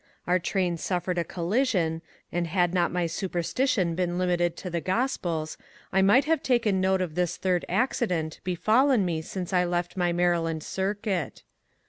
Our train suffered a collision, and had not my superstition been limited to the Gospels, I might have taken note of this third accident be fallen me since I left my Maryland circuit.